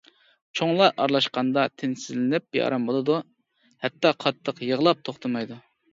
چوڭلار ئارىلاشقاندا تىنچسىزلىنىپ، بىئارام بولىدۇ، ھەتتا قاتتىق يىغلاپ توختىمايدۇ.